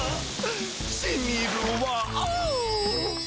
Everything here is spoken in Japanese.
染みるわ！